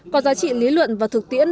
có giá trị lý luận và thực tiễn